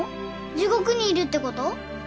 地獄にいるってこと？